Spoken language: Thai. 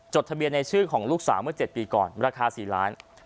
ทะเบียนในชื่อของลูกสาวเมื่อ๗ปีก่อนราคา๔ล้าน